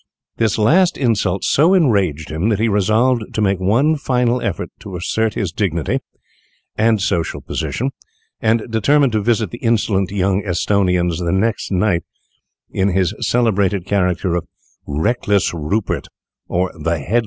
This last insult so enraged him, that he resolved to make one final effort to assert his dignity and social position, and determined to visit the insolent young Etonians the next night in his celebrated character of "Reckless Rupert, or the Headless Earl."